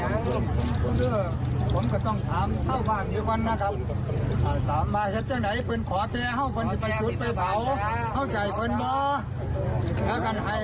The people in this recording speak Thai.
อยู่ตระกัดที่รักษ์สมัคร